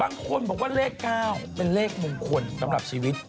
บางคนบอกว่าเลข๙เป็นเลขมงคลสำหรับชีวิต